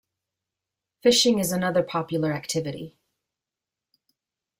Fishing is another popular activity.